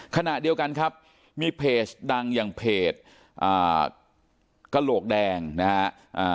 ขณะเดียวกันครับมีเพจดังอย่างเพจอ่ากระโหลกแดงนะฮะ